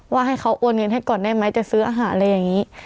ให้เขาโอนเงินให้ก่อนได้ไหมจะซื้ออาหารอะไรอย่างนี้